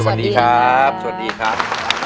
สวัสดีครับสวัสดีครับ